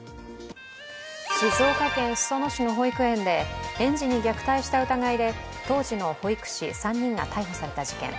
静岡県裾野市の保育園で園児に虐待した疑いで当時の保育士３人が逮捕された事件。